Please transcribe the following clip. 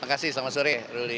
makasih selamat sore